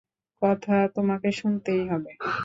কথা তোমাকে শুনতেই হবে!